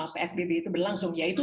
psbb itu berlangsung yaitu